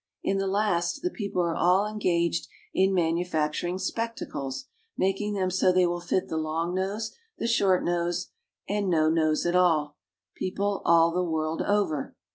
In the last the people are all engaged in manufacturing spectacles, making them so they will fit the long nose, the short nose, and no nose at all people, all the world over.